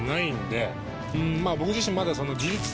僕自身まだ。